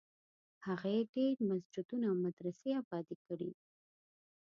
هغې ډېر مسجدونه او مدرسې ابادي کړې.